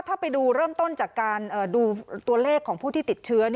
ถ้าไปดูเริ่มต้นจากการดูตัวเลขของผู้ที่ติดเชื้อ